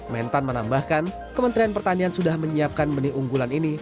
mentan menambahkan kementerian pertanian sudah menyiapkan benih unggulan ini